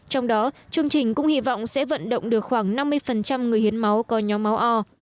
trong đó chương trình cũng hy vọng sẽ vận động được khoảng năm mươi người hiến máu có nhóm máu o